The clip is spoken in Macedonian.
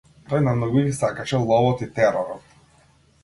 Тој најмногу ги сакаше ловот и теророт.